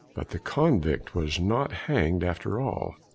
But the convict was NOT hanged after all.